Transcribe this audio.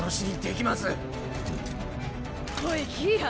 おいギーラ！